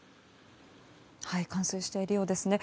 冠水しているようですね。